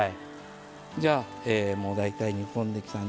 じゃあもう大体煮込んできたんで。